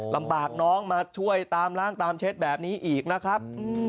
ลำบากน้องมาช่วยตามล้างตามเช็ดแบบนี้อีกนะครับ